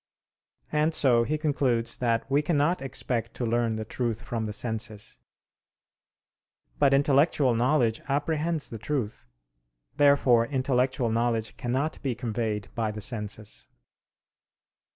And so he concludes that we cannot expect to learn the truth from the senses. But intellectual knowledge apprehends the truth. Therefore intellectual knowledge cannot be conveyed by the senses.